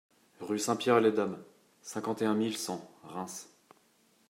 Rue Saint-Pierre les Dames, cinquante et un mille cent Reims